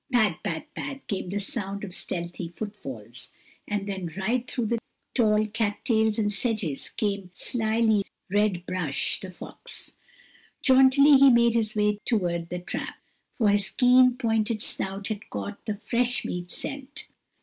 "Pad, pad, pad," came the sound of stealthy footfalls, and then right through the tall cat tails and sedges came slyly Red Brush, the fox; jauntily he made his way toward the trap, for his keen, pointed snout had caught the fresh meat scent.